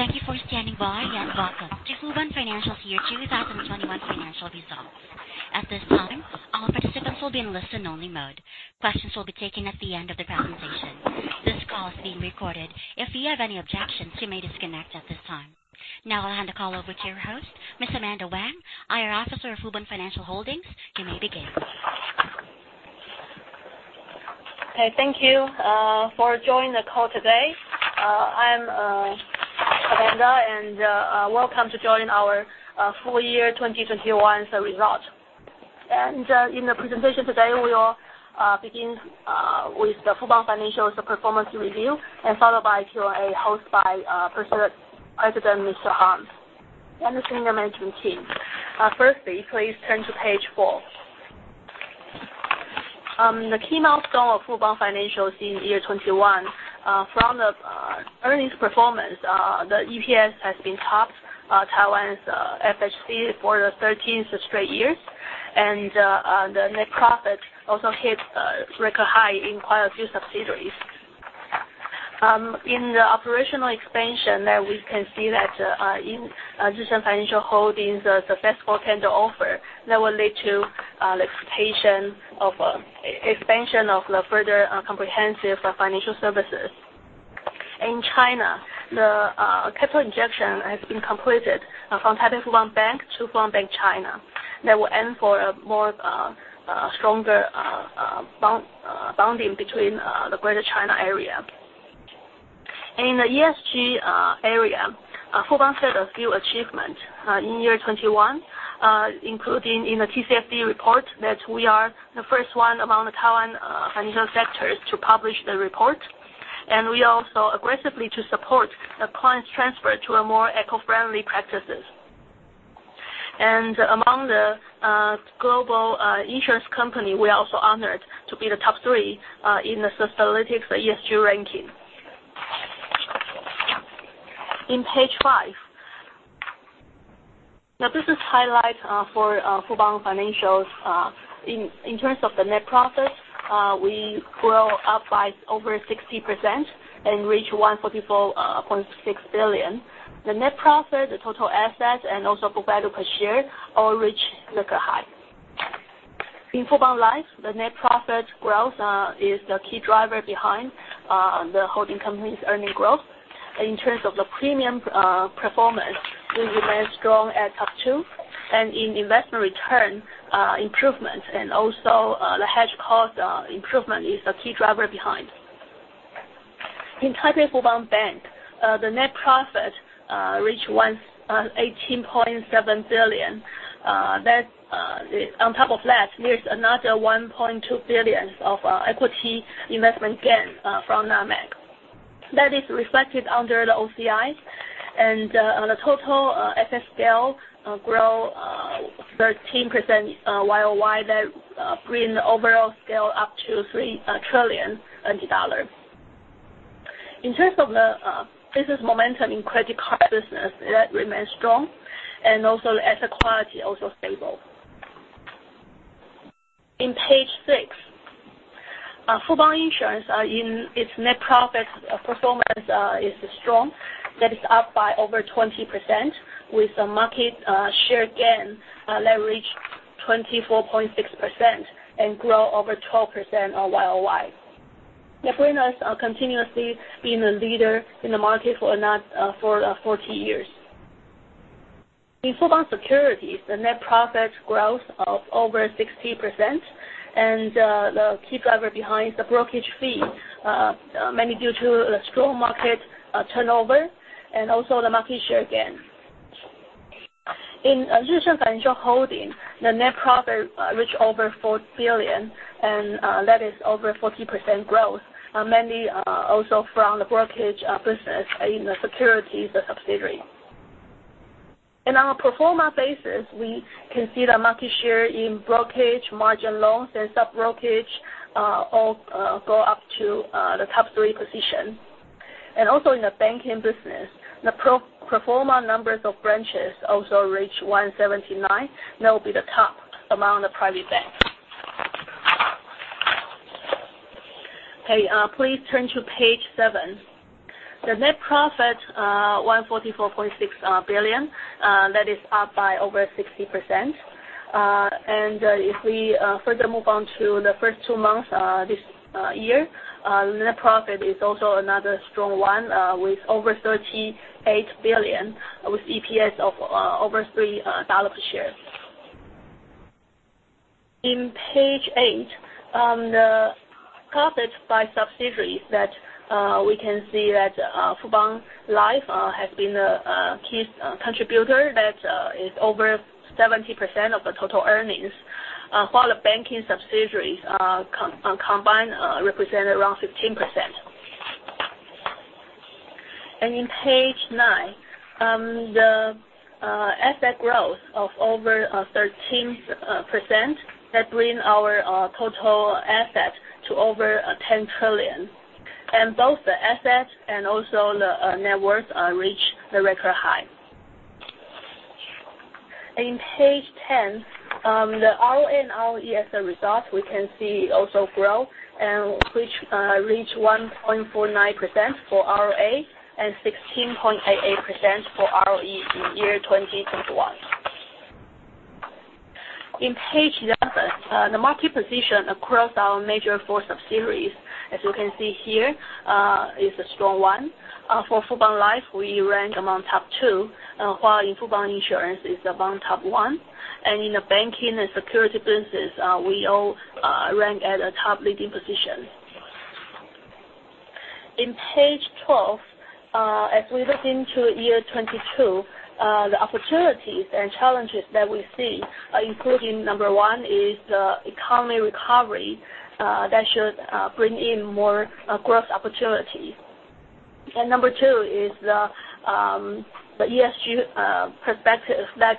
Thank you for standing by, welcome to Fubon Financial's year 2021 financial results. At this time, all participants will be in listen-only mode. Questions will be taken at the end of the presentation. This call is being recorded. If you have any objections, you may disconnect at this time. Now I'll hand the call over to your host, Ms. Amanda Wang, IR Officer of Fubon Financial Holding. You may begin. Okay. Thank you for joining the call today. I am Amanda, welcome to join our full year 2021 results. In the presentation today, we will begin with the Fubon Financial's performance review, followed by Q&A, hosted by President Hans and the senior management team. Firstly, please turn to page four. The milestone of Fubon Financial in year 2021. From the earnings performance, the EPS has been top Taiwan's FHC for the 13th straight year, and the net profit also hit record high in quite a few subsidiaries. In the operational expansion, we can see that Jih Sun Financial Holding, the successful tender offer that will lead to expansion of the further comprehensive financial services. In China, the capital injection has been completed from Taipei Fubon Bank to Fubon Bank China, that will aim for a stronger bonding between the Greater China area. In the ESG area, Fubon set a few achievements in year 2021, including in the TCFD report, that we are the first one among the Taiwan financial sectors to publish the report, we also aggressively support the clients transfer to more eco-friendly practices. Among the global insurance company, we are also honored to be the top three in the Sustainalytics ESG ranking. In page five. Now, this is highlight for Fubon Financial. In terms of the net profit, we grow up by over 60% and reach 144.6 billion. The net profit, the total asset, and also book value per share all reach record high. In Fubon Life, the net profit growth is the key driver behind the holding company's earning growth. In terms of the premium performance, we remain strong at top two, in investment return improvements and also the hedge cost improvement is the key driver behind. In Taipei Fubon Bank, the net profit reached 18.7 billion. On top of that, there is another 1.2 billion of equity investment gain from NAMC. That is reflected under the OCIs, the total asset scale grow 13% YOY, that bring the overall scale up to 3 trillion dollars. In terms of the business momentum in credit card business, that remains strong, asset quality also stable. In page six. Fubon Insurance, its net profit performance is strong. That is up by over 20% with the market share gain that reached 24.6% and grow over 12% on YOY. Net winners are continuously being a leader in the market for the fourth years. In Fubon Securities, the net profit growth of over 60%, and the key driver behind the brokerage fee, mainly due to the strong market turnover and also the market share gain. In Jih Sun Financial Holding, the net profit reached over 4 billion, and that is over 40% growth, mainly also from the brokerage business in the securities subsidiary. In our pro forma basis, we can see the market share in brokerage, margin loans, and sub-brokerage all go up to the top three position. Also in the banking business, the pro forma numbers of branches also reached 179. That will be the top among the private banks. Okay, please turn to page seven. The net profit 144.6 billion. That is up by over 60%. If we further move on to the first two months this year, net profit is also another strong one with over 38 billion, with EPS of over 3 dollars a share. In page eight, the profit by subsidiaries that we can see that Fubon Life has been a key contributor. That is over 70% of the total earnings. While the banking subsidiaries combined represent around 15%. In page nine, the asset growth of over 13%, that bring our total asset to over 10 trillion. Both the asset and also the net worth reach the record high. In page 10, the ROA and ROE as a result, we can see also growth, which reached 1.49% for ROA and 16.88% for ROE in year 2021. In page 11, the market position across our major four subsidiaries, as you can see here, is a strong one. For Fubon Life, we rank among top two, while in Fubon Insurance is among top one, and in the banking and security business, we all rank at a top leading position. In page 12, as we look into year 2022, the opportunities and challenges that we see, including number one is the economy recovery. That should bring in more growth opportunities. Number two is the ESG perspective that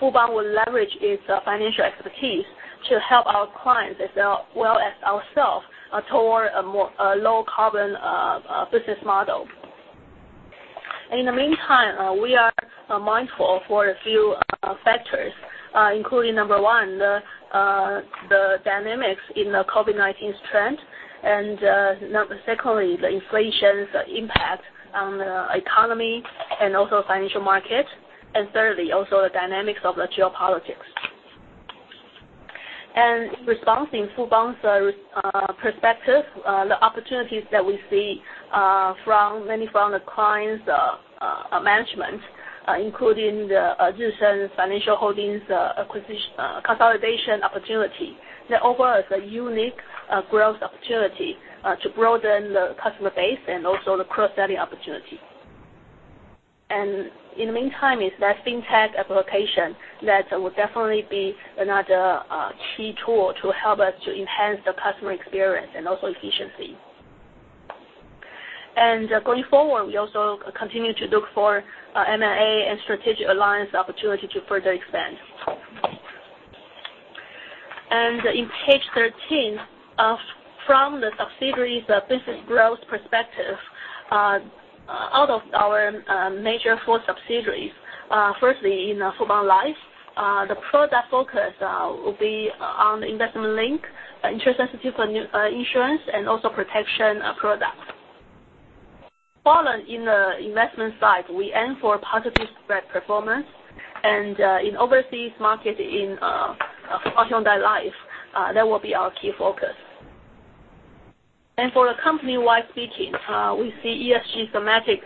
Fubon will leverage its financial expertise to help our clients as well as ourselves toward a more low-carbon business model. In the meantime, we are mindful for a few factors, including, number one, the dynamics in the COVID-19 trend, and secondly, the inflation's impact on the economy and also financial market, and thirdly, also the dynamics of the geopolitics. Response in Fubon's perspective, the opportunities that we see mainly from the clients' management including the Jih Sun Financial Holding consolidation opportunity. That offers a unique growth opportunity to broaden the customer base and also the cross-selling opportunity. In the meantime, is that fintech application, that will definitely be another key tool to help us to enhance the customer experience and also efficiency. Going forward, we also continue to look for M&A and strategic alliance opportunity to further expand. In page 13, from the subsidiaries' business growth perspective, out of our major four subsidiaries, firstly, in Fubon Life, the product focus will be on the investment-linked, interest-sensitive insurance, and also protection products. Following in the investment side, we aim for positive spread performance, and in overseas market in Hyundai Life, that will be our key focus. For the company-wide speaking, we see ESG thematic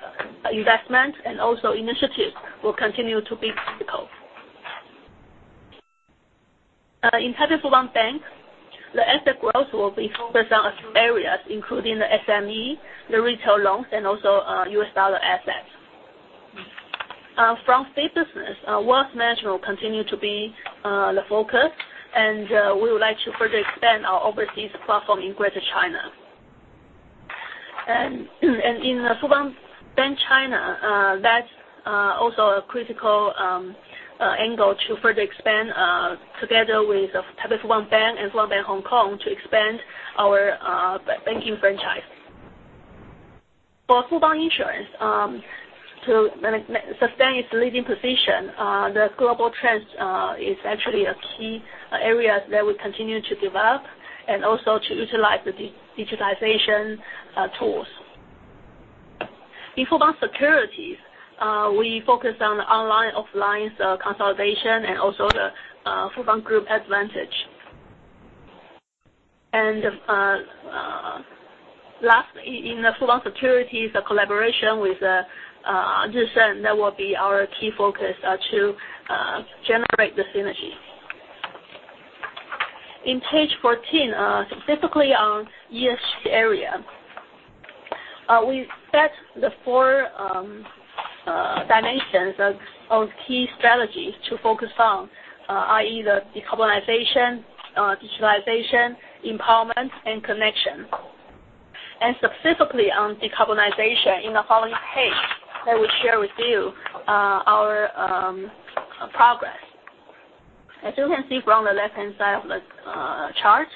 investment and also initiatives will continue to be critical. In Taipei Fubon Bank, the asset growth will be focused on a few areas, including the SME, the retail loans, and also US dollar assets. From fee business, wealth management continue to be the focus, and we would like to further expand our overseas platform in Greater China. In Fubon Bank China, that's also a critical angle to further expand together with Taipei Fubon Bank and Fubon Bank Hong Kong to expand our banking franchise. For Fubon Insurance, to sustain its leading position, the global trends is actually a key area that we continue to develop and also to utilize the digitalization tools. In Fubon Securities, we focus on the online/offline consolidation and also the Fubon Group advantage. Lastly, in the Fubon Securities, the collaboration with Jih Sun, that will be our key focus to generate the synergy. In page 14, specifically on ESG area, we set the four dimensions of key strategies to focus on, i.e., the decarbonization, digitalization, empowerment, and connection. Specifically on decarbonization in the following page, I will share with you our progress. As you can see from the left-hand side of the chart,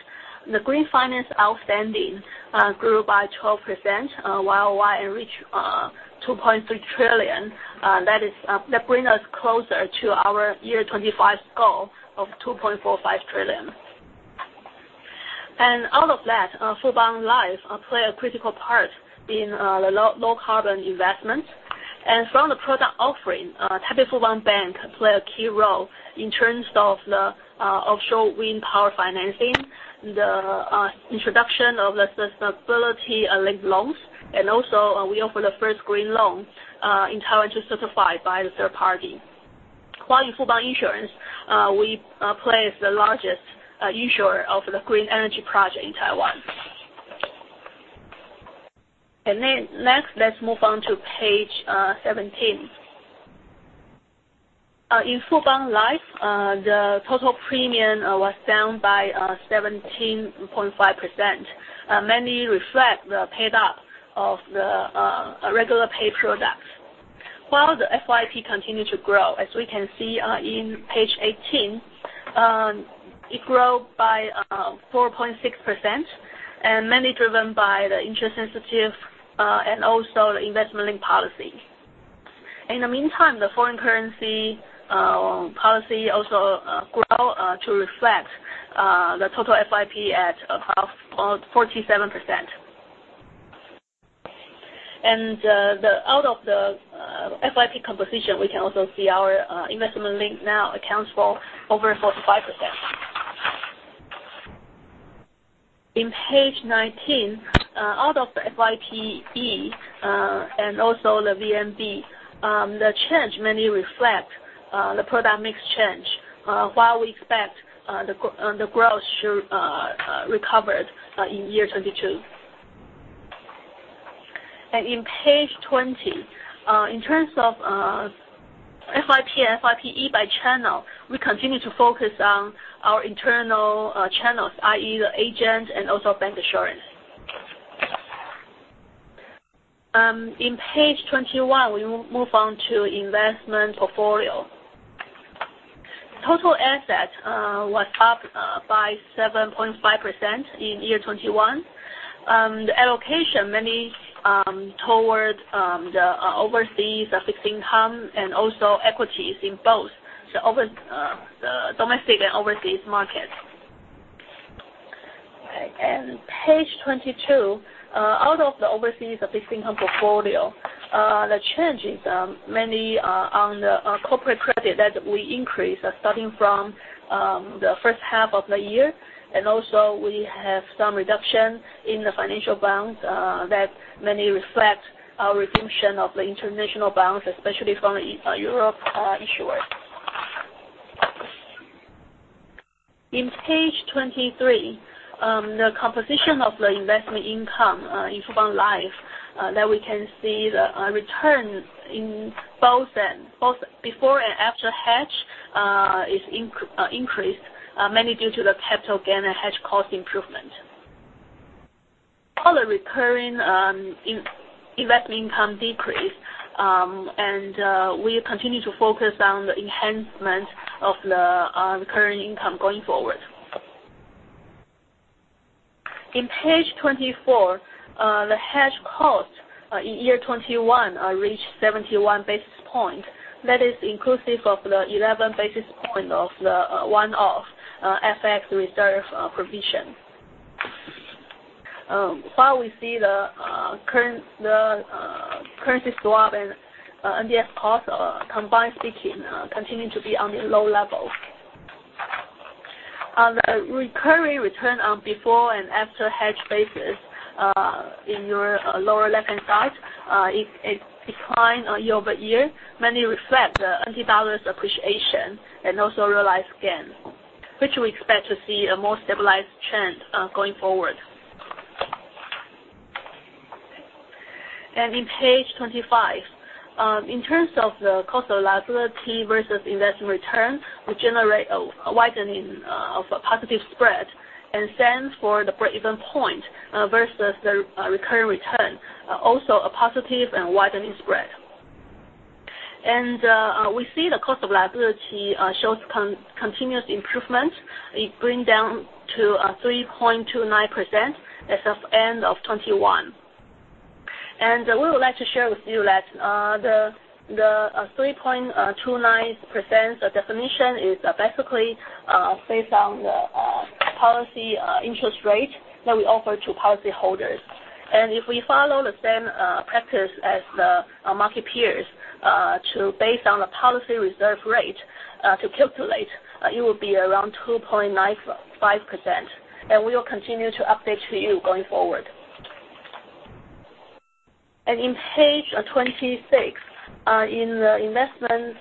the green finance outstanding grew by 12% YOY and reached 2.3 trillion. That bring us closer to our year 2025 goal of 2.45 trillion. Out of that, Fubon Life play a critical part in the low carbon investment. From the product offering, Taipei Fubon Bank play a key role in terms of the offshore wind power financing, the introduction of the sustainability-linked loans, and also we offer the first green loan entirely certified by the third party. While in Fubon Insurance, we place the largest insurer of the green energy project in Taiwan. Next, let's move on to page 17. In Fubon Life, the total premium was down by 17.5%, mainly reflect the paid up of the regular pay products, while the FYP continued to grow, as we can see in page 18. It grew by 4.6%, and mainly driven by the interest sensitive and also the investment-linked policy. In the meantime, the foreign currency policy also grew to reflect the total FYP at 47%. Out of the FYP composition, we can also see our investment-linked now accounts for over 45%. In page 19, out of the FYPE, and also the VNB, the change mainly reflects the product mix change, while we expect the growth should recover in year 2022. On page 20, in terms of FYP and FYPE by channel, we continue to focus on our internal channels, i.e., the agent and also bank assurance. On page 21, we will move on to investment portfolio. Total assets were up by 7.5% in year 2021. The allocation mainly toward the overseas fixed income and also equities in both the domestic and overseas markets. All right. Page 22, out of the overseas fixed income portfolio, the change is mainly on the corporate credit that we increased, starting from the first half of the year, and also we have some reduction in the financial bonds that mainly reflect our redemption of the international bonds, especially from Europe issuers. In page 23, the composition of the investment income in Fubon Life, there we can see the return in both before and after hedge increased, mainly due to the capital gain and hedge cost improvement. All the recurring investment income decreased, and we continue to focus on the enhancement of the recurring income going forward. On page 24, the hedge cost in year 2021 reached 71 basis points. That is inclusive of the 11 basis points of the one-off FX reserve provision. While we see the currency swap and MBS costs combined seeking continue to be on low levels. On the recurring return on before and after hedge basis in your lower left-hand side, it declined year-over-year, mainly reflect the USD appreciation and also realized gains, which we expect to see a more stabilized trend going forward. On page 25, in terms of the cost of liability versus investment return, we generate a widening of a positive spread and stands for the breakeven point versus the recurring return. Also, a positive and widening spread. We see the cost of liability shows continuous improvement. It brings down to 3.29% as of end of 2021. We would like to share with you that the 3.29%, the definition is basically based on the policy interest rate that we offer to policyholders. If we follow the same practice as the market peers based on the policy reserve rate to calculate, it will be around 2.95%, and we will continue to update to you going forward. On page 26, in the investment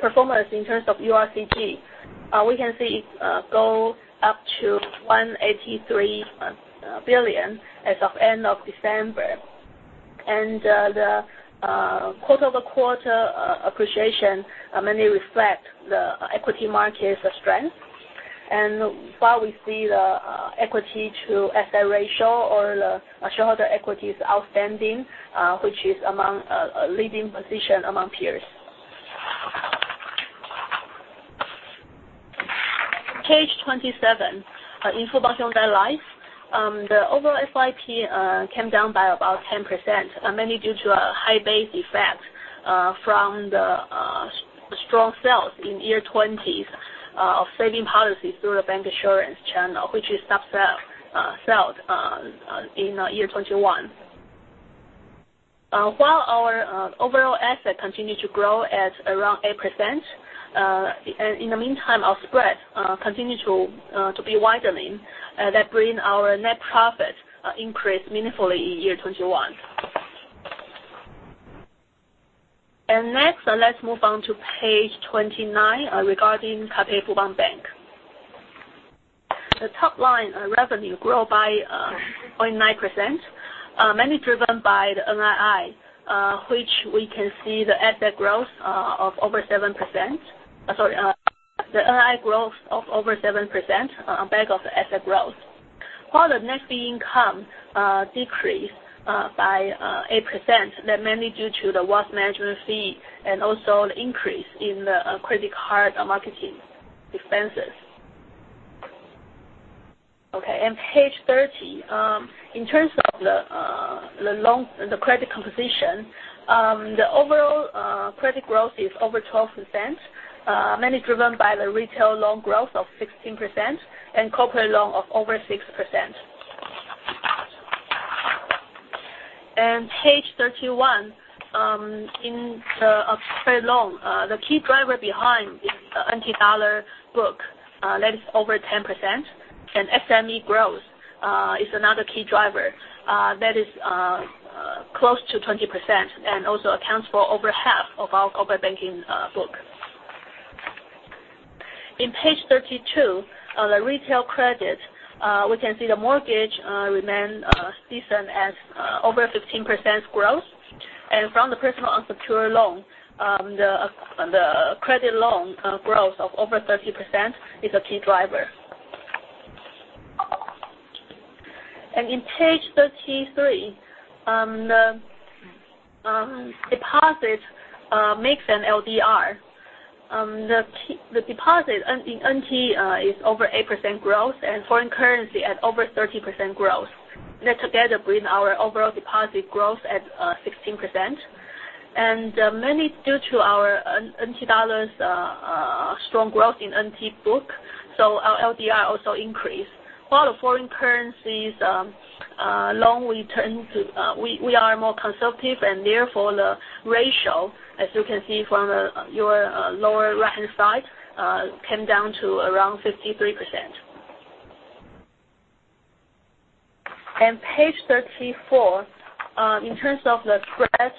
performance in terms of URCG, we can see it go up to 183 billion as of end of December. The quarter-over-quarter appreciation mainly reflects the equity market's strength. While we see the equity to asset ratio or the shareholder equity is outstanding, which is among a leading position among peers. Page 27. In Fubon Hyundai Life, the overall FYP came down by about 10%, mainly due to a high base effect from the strong sales in year 2020 of saving policies through the bank assurance channel, which is subsequently sold in year 2021. While our overall asset continued to grow at around 8%, in the meantime, our spread continued to be widening. That brings our net profit increase meaningfully in year 2021. Next, let's move on to page 29 regarding Taipei Fubon Bank. The top line revenue grew by 0.9%, mainly driven by the NII, which we can see the asset growth of over 7%, the NII growth of over 7% back of the asset growth. While the net fee income decreased by 8%, that mainly due to the wealth management fee and also the increase in the credit card marketing expenses. Okay, page 30. In terms of the credit composition, the overall credit growth is over 12%, mainly driven by the retail loan growth of 16% and corporate loan of over 6%. Page 31, in the corporate loan, the key driver behind is the NT dollar book. That is over 10%, and SME growth is another key driver. That is close to 20% and also accounts for over half of our corporate banking book. In page 32, the retail credit, we can see the mortgage remains decent as over 15% growth. From the personal unsecured loan, the credit loan growth of over 30% is a key driver. In page 33, the deposit mix and LDR. The deposit in TWD is over 8% growth and foreign currency at over 30% growth. That together bring our overall deposit growth at 16%. Mainly due to our NT dollar's strong growth in NT book, our LDR also increased. While the foreign currency's loan, we are more conservative and therefore, the ratio, as you can see from your lower right-hand side, came down to around 53%. Page 34, in terms of the spread,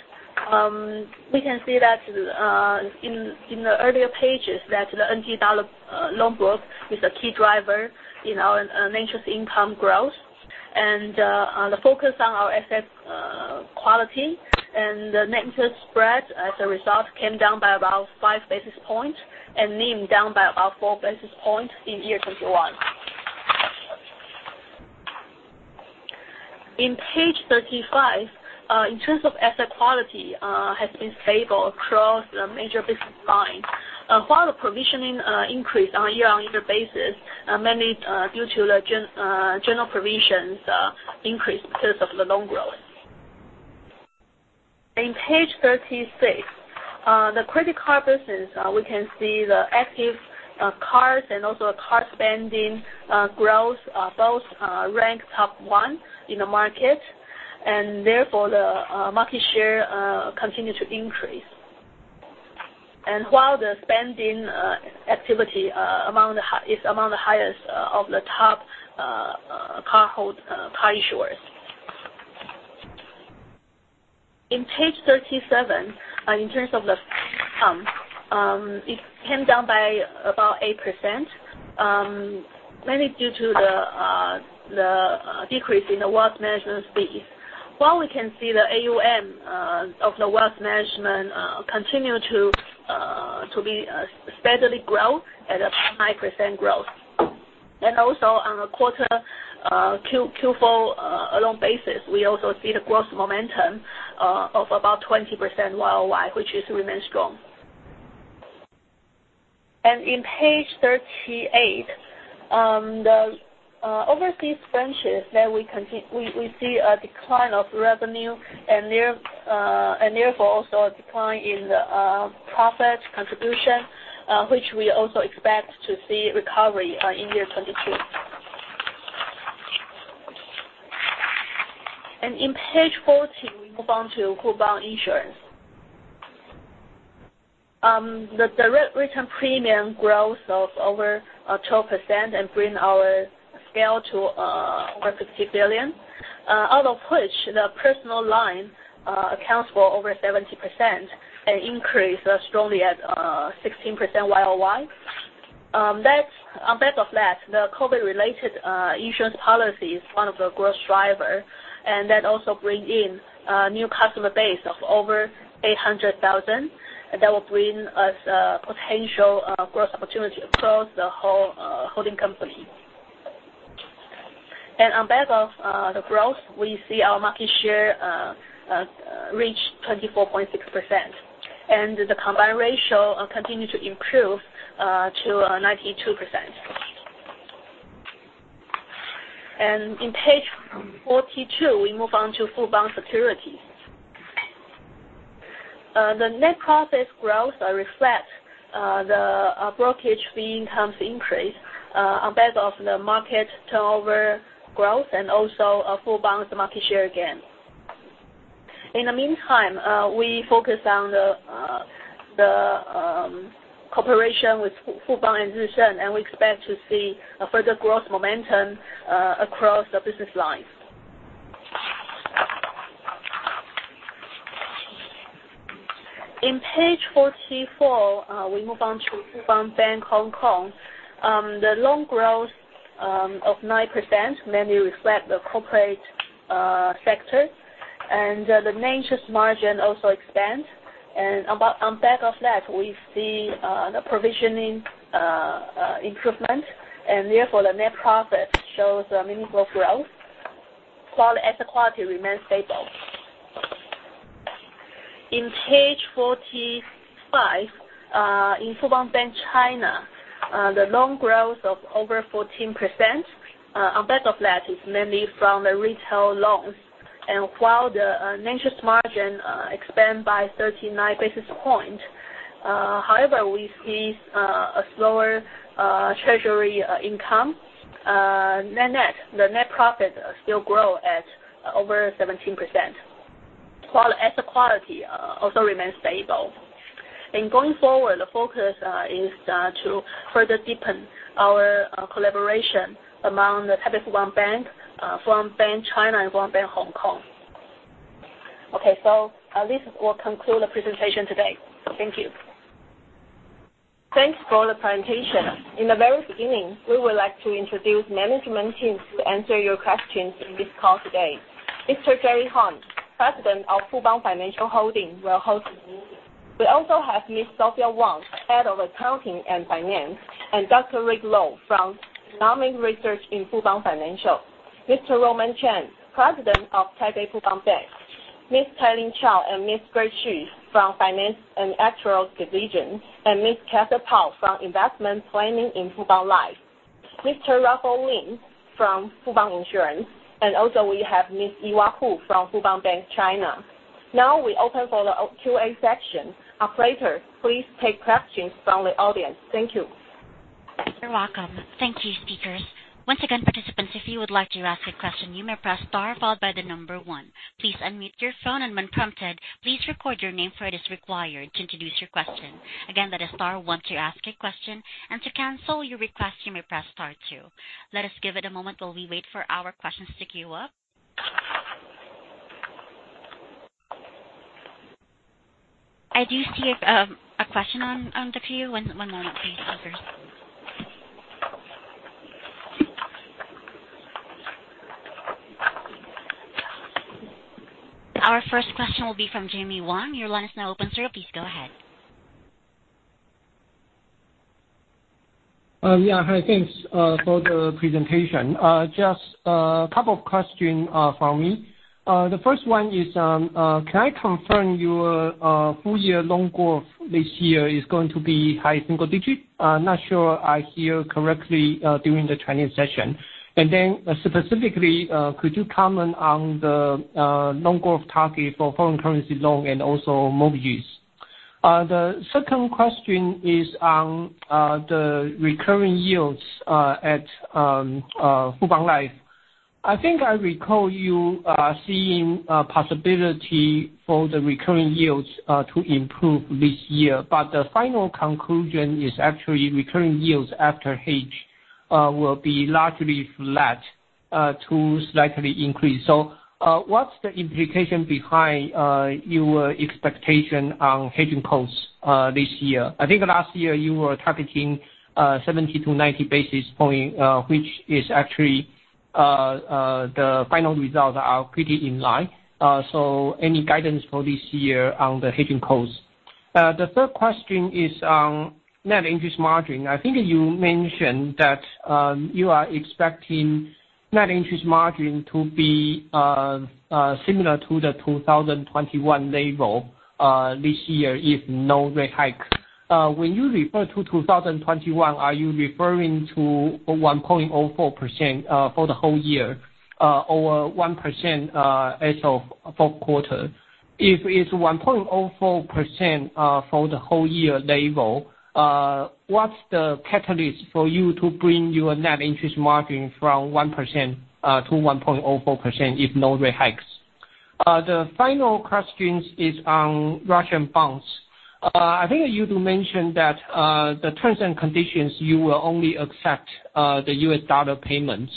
we can see that in the earlier pages, that the NT dollar loan book is a key driver in our net interest income growth and the focus on our asset quality. The net interest spread, as a result, came down by about 5 basis points and NIM down by about 4 basis points in 2021. Page 35, in terms of asset quality, has been stable across the major business lines, while the provisioning increased on a year-over-year basis, mainly due to the general provisions increase because of the loan growth. Page 36, the credit card business, we can see the active cards and also card spending growth both ranked top one in the market, therefore, the market share continued to increase. While the spending activity is among the highest of the top card issuers. Page 37, in terms of the fee income, it came down by about 8%, mainly due to the decrease in the wealth management fee. While we can see the AUM of the wealth management continue to be steadily growth at a 5% growth. Also on a quarter Q4 alone basis, we also see the growth momentum of about 20% YOY, which remains strong. Page 38, the overseas branches, there we see a decline of revenue and therefore, also a decline in the profit contribution, which we also expect to see recovery in 2022. Page 40, we move on to Fubon Insurance. The direct written premium growth of over 12% and bring our scale to over 60 billion, out of which the personal line accounts for over 70% and increased strongly at 16% YOY. On back of that, the COVID-19-related insurance policy is one of the growth driver and that also bring in a new customer base of over 800,000. That will bring us a potential growth opportunity across the whole holding company. On back of the growth, we see our market share reach 24.6%, and the combined ratio continue to improve to 92%. Page 42, we move on to Fubon Securities. The net profit growth reflects the brokerage fee income increase on back of the market turnover growth and also Fubon's market share gain. In the meantime, we focus on the cooperation with Fubon and Zixuan, we expect to see a further growth momentum across the business lines. Page 44, we move on to Fubon Bank Hong Kong. The loan growth of 9% mainly reflect the corporate sector. The net interest margin also expands. On back of that, we see the provisioning improvement, and therefore the net profit shows a meaningful growth, while asset quality remains stable. Page 45, Fubon Bank China, the loan growth of over 14%, on back of that is mainly from the retail loans. While the net interest margin expand by 39 basis points, however, we see a slower treasury income. The net profit still grow at over 17%, while asset quality also remains stable. Going forward, the focus is to further deepen our collaboration among the Taipei Fubon Bank, Fubon Bank China, and Fubon Bank Hong Kong. This will conclude the presentation today. Thank you. Thanks for the presentation. The very beginning, we would like to introduce management team to answer your questions in this call today. Jerry Harn, President of Fubon Financial Holding, will host the meeting. We also have Sophia Wang, head of accounting and finance, and Rick Lo from economic research in Fubon Financial. Roman Cheng, President of Taipei Fubon Bank, Tsai-Ling Chao and Grace Hsu from finance and actuarial division, and Catherine Pao from investment planning in Fubon Life. Rafael Lin from Fubon Insurance, we also have Yi Hua from Fubon Bank China. We open for the Q&A section. Operator, please take questions from the audience. Thank you. You're welcome. Thank you, speakers. Once again, participants, if you would like to ask a question, you may press star followed by the number one. Please unmute your phone and when prompted, please record your name, for it is required to introduce your question. Again, that is star one to ask a question. To cancel your request, you may press star two. Let us give it a moment while we wait for our questions to queue up. I do see a question on the queue. One moment please, sir. Our first question will be from Jamie Wong. Your line is now open, sir. Please go ahead. Yeah. Hi. Thanks for the presentation. Just a couple of questions from me. The first one is, can I confirm your full year loan growth this year is going to be high single-digit? Not sure I hear correctly, during the Chinese session. Specifically, could you comment on the loan growth target for foreign currency loan and also mortgage? The second question is on the recurring yields at Fubon Life. I think I recall you are seeing a possibility for the recurring yields to improve this year, but the final conclusion is actually recurring yields after hedge will be largely flat to slightly increase. What's the implication behind your expectation on hedging costs this year? I think last year you were targeting 70 to 90 basis points, which is actually the final results are pretty in line. Any guidance for this year on the hedging costs? The third question is on net interest margin. I think you mentioned that you are expecting net interest margin to be similar to the 2021 level this year if no rate hike. When you refer to 2021, are you referring to 1.04% for the whole year or 1% as of fourth quarter? If it is 1.04% for the whole year level, what is the catalyst for you to bring your net interest margin from 1% to 1.04% if no rate hikes? The final question is on Russian bonds. I think you do mention that the terms and conditions, you will only accept the US dollar payments.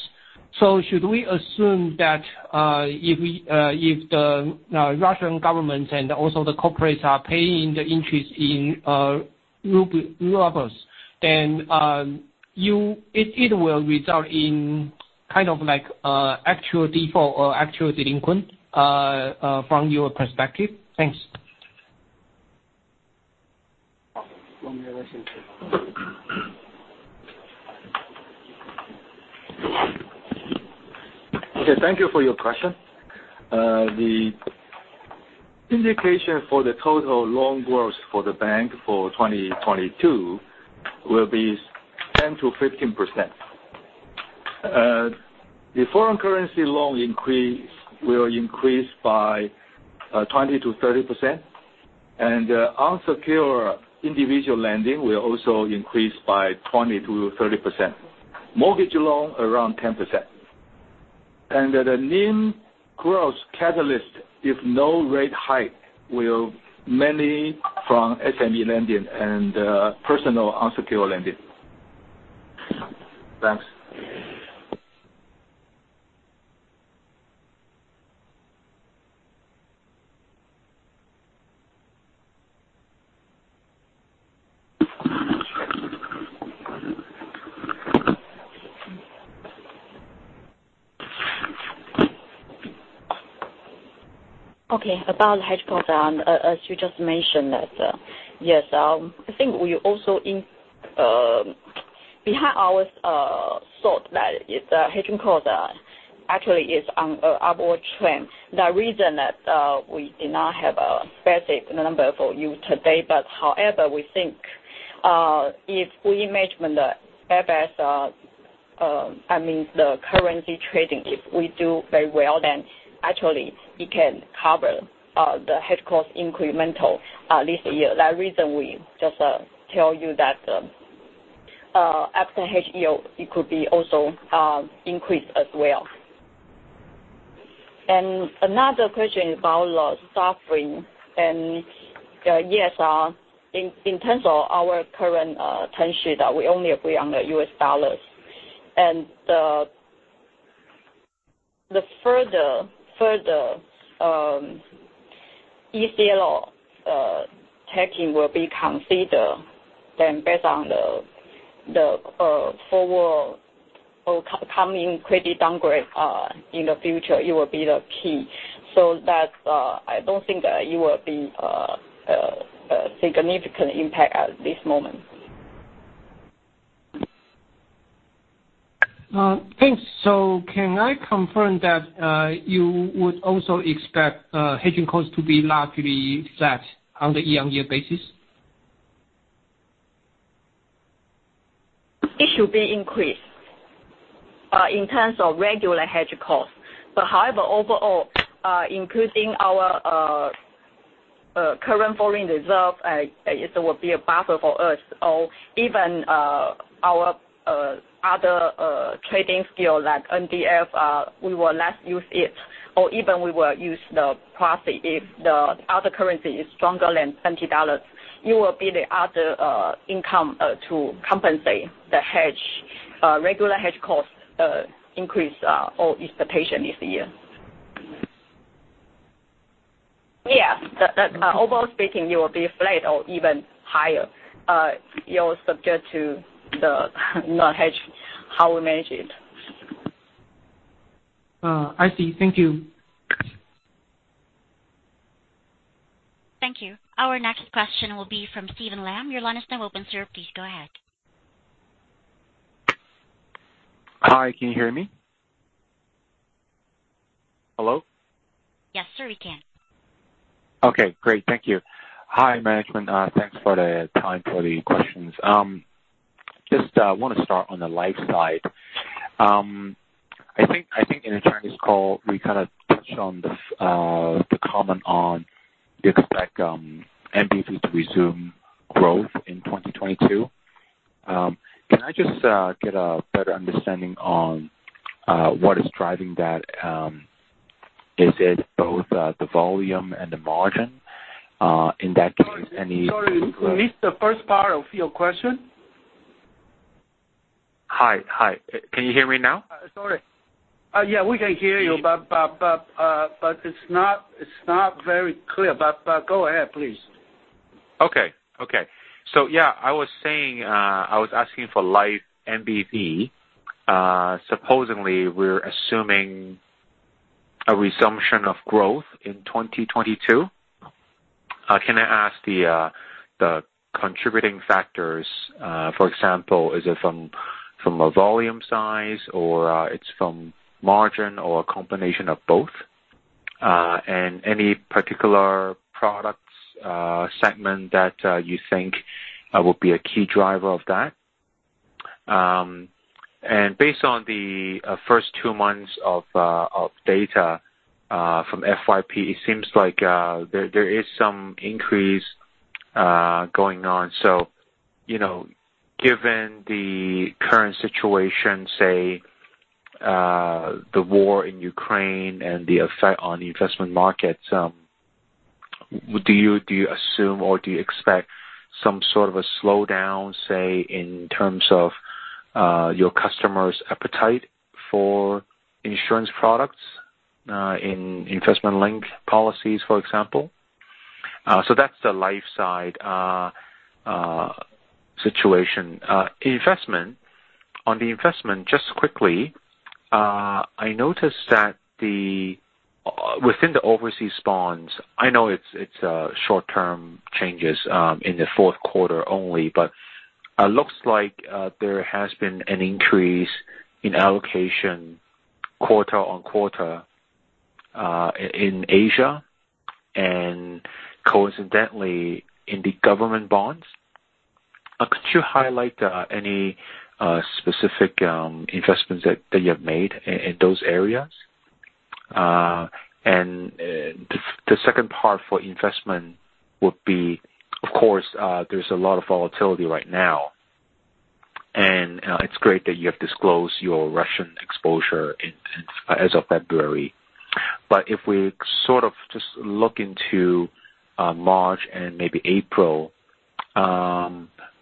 Should we assume that if the Russian government and also the corporates are paying the interest in rubles, then it will result in actual default or actual delinquent from your perspective? Thanks. Okay. Thank you for your question. The indication for the total loan growth for the bank for 2022 will be 10%-15%. The foreign currency loan will increase by 20%-30%, and unsecured individual lending will also increase by 20%-30%. Mortgage loan, around 10%. The NIM growth catalyst, if no rate hike, will mainly from SME lending and personal unsecured lending. Thanks. Okay. About the hedge cost, as you just mentioned that, yes, I think we also behind our thought that the hedging cost actually is on upward trend. The reason that we did not have a specific number for you today, but however, we think if we manage when the FX, the currency trading, if we do very well, then actually it can cover the hedge cost incremental this year. The reason we just tell you that after H2, it could be also increased as well. Another question about the sovereign, and yes, in terms of our current tenure that we only agree on the US dollars. The further ECL taking will be considered then based on the forward or coming credit downgrade in the future, it will be the key. I don't think it will be a significant impact at this moment. Thanks. Can I confirm that you would also expect hedging costs to be largely flat on the year-over-year basis? It should be increased in terms of regular hedge costs. However, overall, including our current foreign reserve, it will be a buffer for us, even our other trading skill like NDF, we will less use it. Even we will use the profit if the other currency is stronger than 20 dollars, it will be the other income to compensate the hedge, regular hedge costs increase or expectation this year. Yeah. Overall speaking, it will be flat or even higher. You're subject to the hedge, how we manage it. I see. Thank you. Thank you. Our next question will be from Steven Lam. Your line is now open, sir. Please go ahead. Hi, can you hear me? Hello? Yes, sir, we can. Okay, great. Thank you. Hi, management. Thanks for the time for the questions. Just want to start on the life side. I think in the Chinese call, we kind of touched on the comment on you expect NPV to resume growth in 2022. Can I just get a better understanding on what is driving that? Is it both the volume and the margin? Sorry, we missed the first part of your question. Hi. Can you hear me now? Sorry. Yeah, we can hear you, but it's not very clear. Go ahead, please. Okay. Yeah, I was asking for life NPV. Supposedly, we're assuming a resumption of growth in 2022. Can I ask the contributing factors, for example, is it from a volume size, or it's from margin or a combination of both? Any particular products segment that you think will be a key driver of that? Based on the first two months of data from FYP, it seems like there is some increase going on. Given the current situation, say, the war in Ukraine and the effect on the investment markets, do you assume or do you expect some sort of a slowdown, say, in terms of your customers' appetite for insurance products in investment-linked policies, for example? That's the life side situation. Investment. On the investment, just quickly, I noticed that within the overseas bonds, I know it's short-term changes in the fourth quarter only, but it looks like there has been an increase in allocation quarter on quarter in Asia and coincidentally in the government bonds. Could you highlight any specific investments that you have made in those areas? The second part for investment would be, of course, there's a lot of volatility right now, and it's great that you have disclosed your Russian exposure as of February. If we sort of just look into March and maybe April,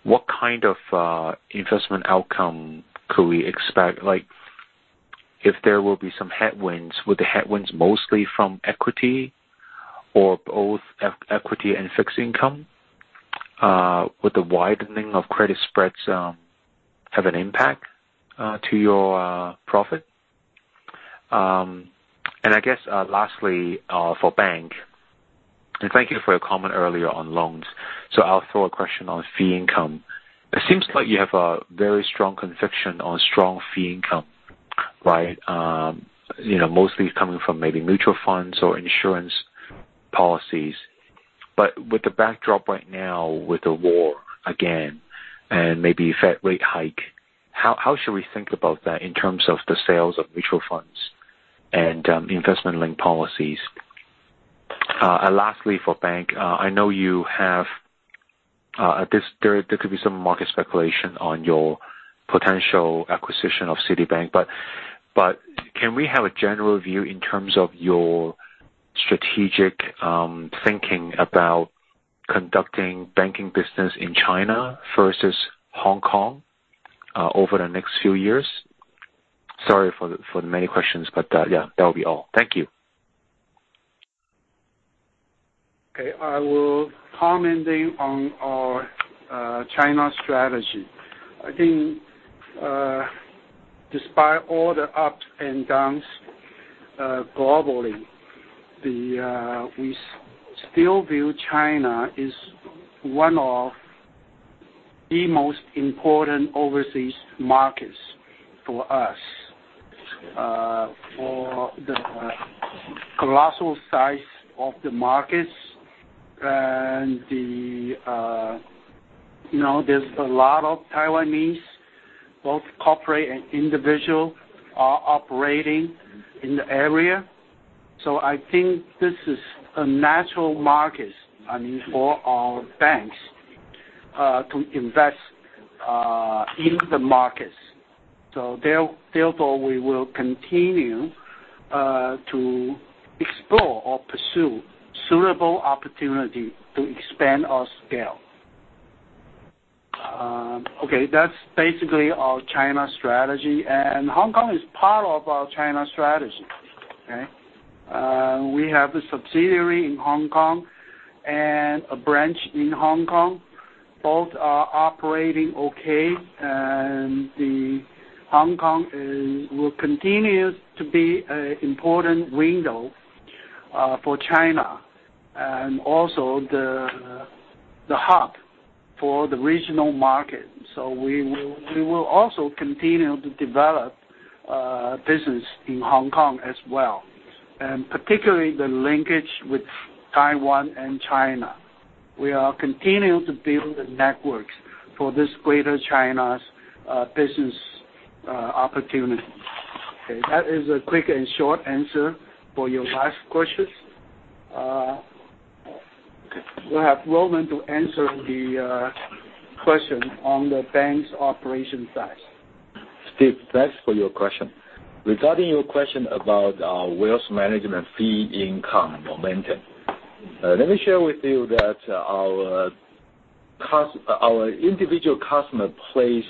what kind of investment outcome could we expect? If there will be some headwinds, would the headwinds mostly from equity or both equity and fixed income? with the widening of credit spreads have an impact to your profit? I guess lastly, for bank, and thank you for your comment earlier on loans. I'll throw a question on fee income. It seems like you have a very strong conviction on strong fee income, right? Mostly it's coming from maybe mutual funds or insurance policies. With the backdrop right now, with the war, again, and maybe Fed rate hike, how should we think about that in terms of the sales of mutual funds and investment-linked policies? Lastly, for bank, I know there could be some market speculation on your potential acquisition of Citibank, but can we have a general view in terms of your strategic thinking about conducting banking business in China versus Hong Kong over the next few years? Sorry for the many questions, but yeah, that will be all. Thank you. Okay. I will comment then on our China strategy. I think despite all the ups and downs globally, we still view China as one of the most important overseas markets for us. For the colossal size of the markets. There's a lot of Taiwanese, both corporate and individual, are operating in the area. I think this is a natural market, I mean, for our banks to invest in the markets. Therefore, we will continue to explore or pursue suitable opportunities to expand our scale. Okay. That's basically our China strategy. Hong Kong is part of our China strategy. Okay. We have a subsidiary in Hong Kong and a branch in Hong Kong. Both are operating okay. Hong Kong will continue to be an important window for China, and also the hub for the regional market. We will also continue to develop business in Hong Kong as well. Particularly the linkage with Taiwan and China. We are continuing to build the networks for this Greater China business opportunity. Okay, that is a quick and short answer for your last questions. We'll have Roman to answer the question on the bank's operation side. Steve, thanks for your question. Regarding your question about our wealth management fee income momentum, let me share with you that our individual customer place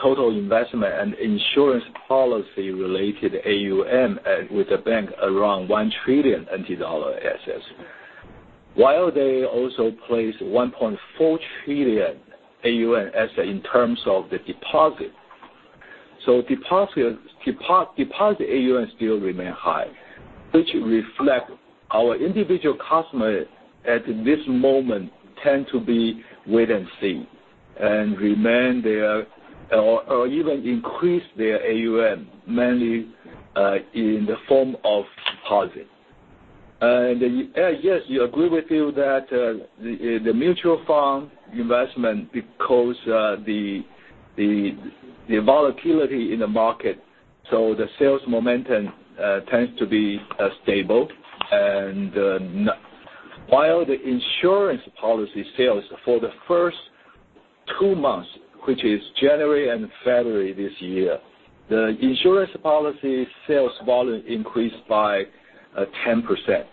total investment and insurance policy related AUM with the bank around 1 trillion NT dollar assets, while they also place 1.4 trillion AUM asset in terms of the deposit. Deposit AUM still remain high, which reflect our individual customer at this moment tend to be wait and see. Remain there or even increase their AUM mainly in the form of deposit. Yes, we agree with you that the mutual fund investment, because the volatility in the market. The sales momentum tends to be stable while the insurance policy sales for the first two months, which is January and February this year. The insurance policy sales volume increased by 10%.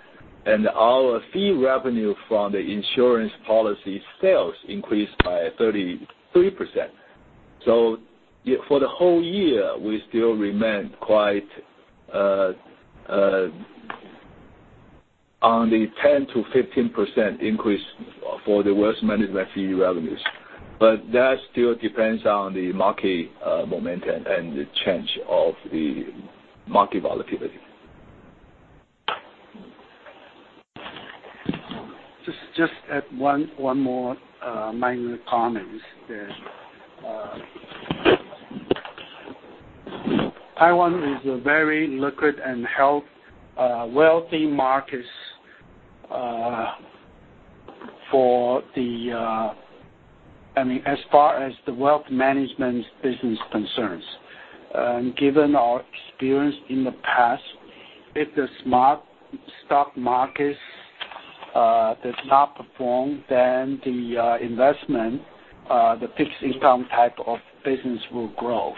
Our fee revenue from the insurance policy sales increased by 33%. For the whole year, we still remain quite on the 10%-15% increase for the wealth management fee revenues. That still depends on the market momentum and the change of the market volatility. Just add one more minor comment. Taiwan is a very liquid and wealthy market, as far as the wealth management business concerns. Given our experience in the past, if the stock market does not perform, the investment, the fixed income type of business will grow.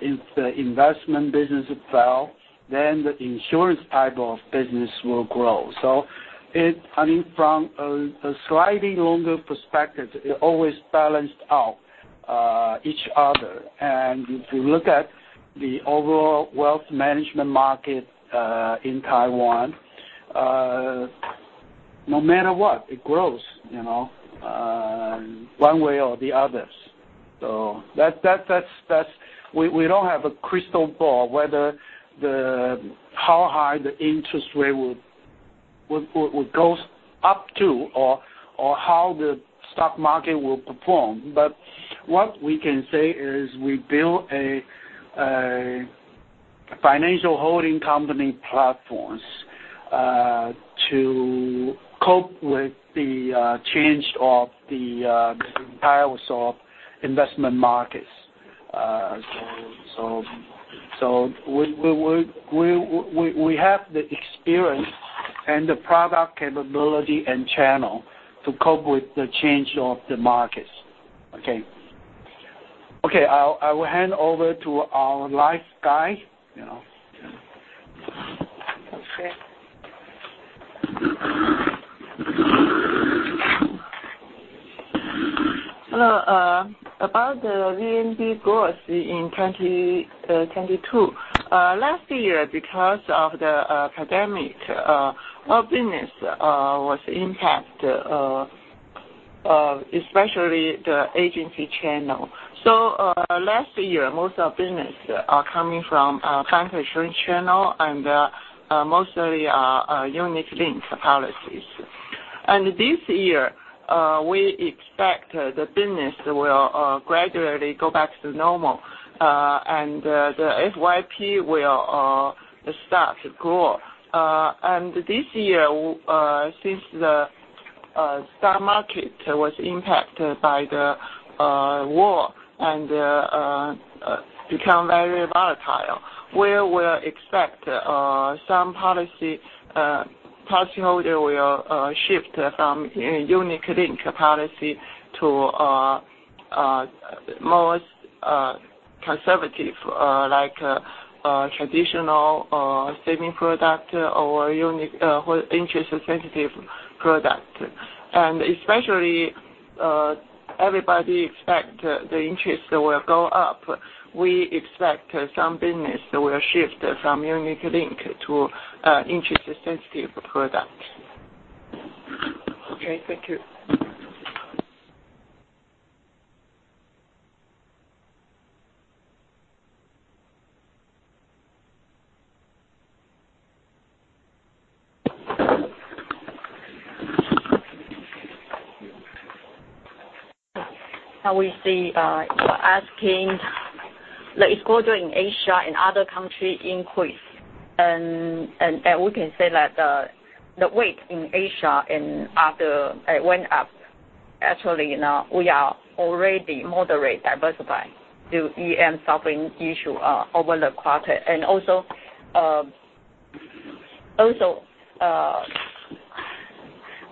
If the investment business fell, the insurance type of business will grow. I mean, from a slightly longer perspective, it always balanced out each other. If you look at the overall wealth management market in Taiwan, no matter what, it grows, one way or the other. We don't have a crystal ball, whether how high the interest rate will goes up to or how the stock market will perform. What we can say is we build a financial holding company platforms, to cope with the change of the entire sort of investment markets. We have the experience and the product capability and channel to cope with the change of the markets. Okay. Okay, I will hand over to our life guy. Hello, about the VNB growth in 2022. Last year, because of the pandemic, our business was impacted, especially the agency channel. Last year, most our business are coming from our bank insurance channel and mostly our unit-linked policies. This year, we expect the business will gradually go back to normal, and the FYP will start to grow. This year, since the stock market was impacted by the war and become very volatile, we will expect some policyholder will shift from a unit-linked policy to most conservative, like traditional saving product or unit whole interest-sensitive product. Especially, everybody expect the interest will go up. We expect some business will shift from unit-linked to interest-sensitive product. Okay. Thank you. We see you are asking the exposure in Asia and other country increase. We can say that the weight in Asia and other went up. Actually, now we are already moderate diversified through EM sovereign issue over the quarter.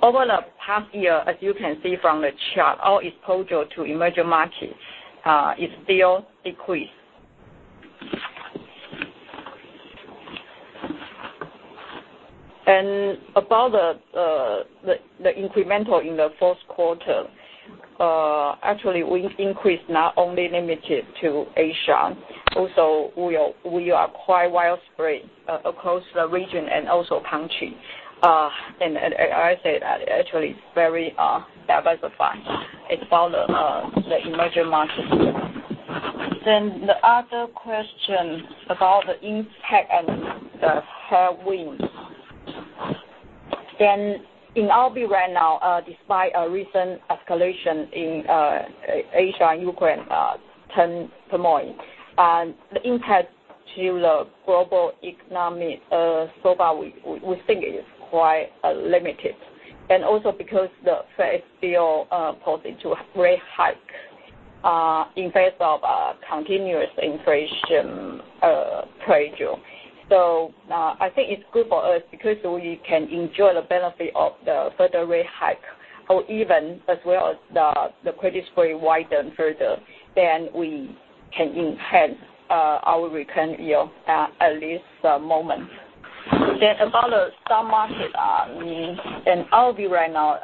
Over the past year, as you can see from the chart, our exposure to emerging markets is still decreased. About the incremental in the fourth quarter, actually, we increased not only limited to Asia. We are quite widespread across the region and also country. I say that actually it's very diversified as far the emerging markets. The other question about the impact and the headwinds. In our view right now, despite a recent escalation in Asia and Ukraine turmoil, the impact to the global economic so far, we think is quite limited. Because the Fed still pausing to rate hike in face of continuous inflation pressure. I think it's good for us because we can enjoy the benefit of the further rate hike or even as well as the credit spread widen further, we can enhance our return yield at least the moment. About the stock market, in our view right now,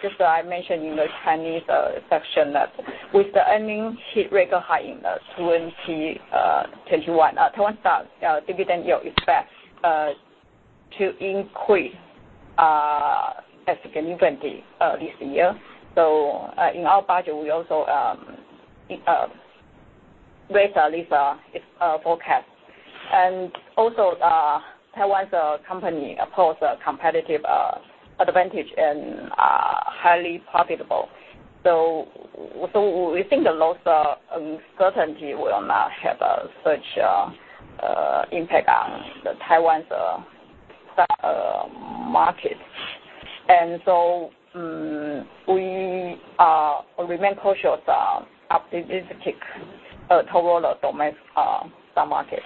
just I mentioned in the Chinese section that with the earnings hit record high in the 2021, Taiwan Stock dividend yield is set to increase significantly this year. In our budget, we also raise a little forecast. Taiwan's company possess a competitive advantage and are highly profitable. We think the loss uncertainty will not have a such impact on the Taiwan's stock market. We remain cautious, optimistic toward the domestic stock market.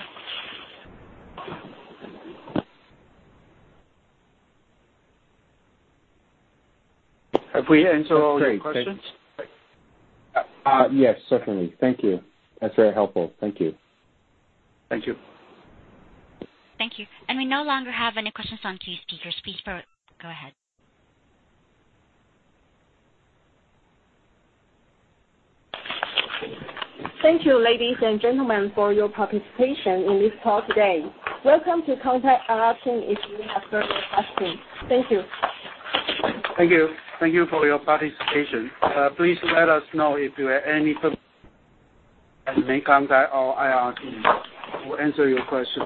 Have we answered all your questions? Yes, certainly. Thank you. That's very helpful. Thank you. Thank you. Thank you. We no longer have any questions on queue, speakers. Please proceed. Go ahead. Thank you, ladies and gentlemen, for your participation in this call today. Welcome to contact our team if you have further questions. Thank you. Thank you. Thank you for your participation. Please let us know if you have any further, and may contact our IR team. We'll answer your question.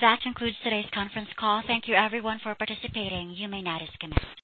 That concludes today's conference call. Thank you everyone for participating. You may now disconnect.